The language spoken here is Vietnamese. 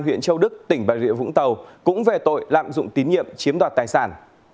huyện châu đức tỉnh bà rịa vũng tàu cũng về tội lạm dụng tín nhiệm chiếm đoạt tài sản